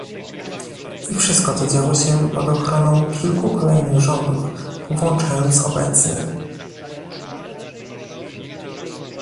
I wszystko to działo się pod ochroną kilku kolejnych rządów, włączając obecny